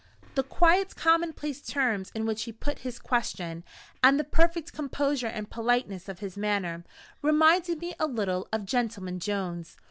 The quiet commonplace terms in which he put his question, and the perfect composure and politeness of his manner, reminded me a little of Gentleman Jones.